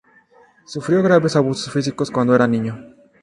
Sufrió graves abusos físicos cuando era niño.